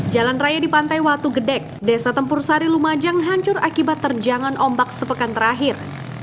jalan raya di pantai watu gedek desa tempur sari lumajang hancur akibat terjangan ombak sepekan terakhir